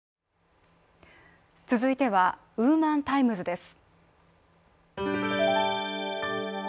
続いては、「ウーマンタイムズ」です。